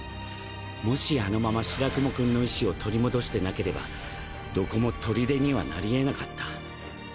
もしあのまま白雲くんの意思を取り戻してなければどこも砦にはなり得なかった。